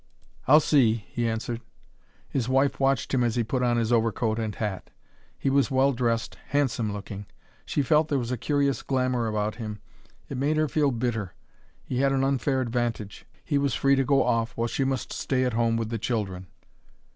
"I'll see," he answered. His wife watched him as he put on his overcoat and hat. He was well dressed, handsome looking. She felt there was a curious glamour about him. It made her feel bitter. He had an unfair advantage he was free to go off, while she must stay at home with the children.